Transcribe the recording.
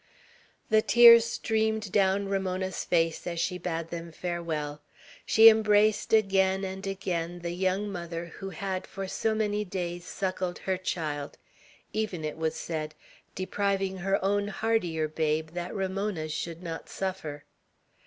The tears streamed down Ramona's face as she bade them farewell. She embraced again and again the young mother who had for so many days suckled her child, even, it was said, depriving her own hardier babe that Ramona's should not suffer.